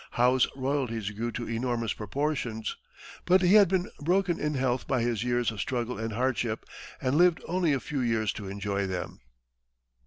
Howe's royalties grew to enormous proportions, but he had been broken in health by his years of struggle and hardship, and lived only a few years to enjoy them.